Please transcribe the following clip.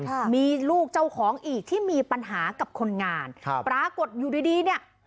ค่ะมีลูกเจ้าของอีกที่มีปัญหากับคนงานครับปรากฏอยู่ดีดีเนี้ย